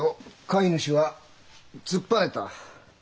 飼い主は突っぱねた。